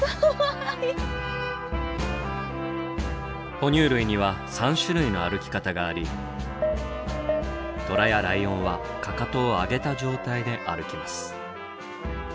哺乳類には３種類の歩き方がありトラやライオンはかかとを上げた状態で歩きます。